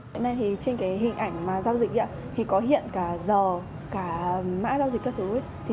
trên hình ảnh giao dịch có hiện cả giờ cả mã giao dịch các thứ